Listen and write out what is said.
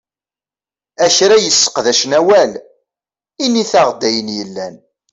A kra yesseqdacen awal, init-aɣ-d ayen yellan!